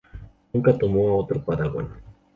Nunca tomó a otro padawan.